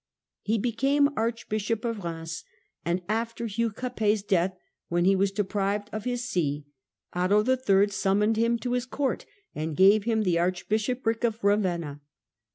He became Archbishop of Eheims, and after Hugli Capet's death, when he was deprived of his see (see p. 48), Otto III. summoned him to his court and gave him the archbishopric of Eavenna.